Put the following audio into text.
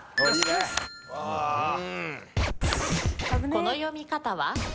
この読み方は？